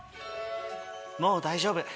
もう大丈夫。